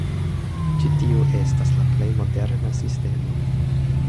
Ĉi tiu estas la plej moderna sistemo.